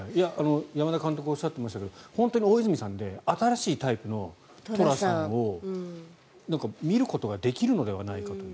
山田監督おっしゃってましたけど本当に大泉さんで新しいタイプの寅さんを見ることができるのではないかという。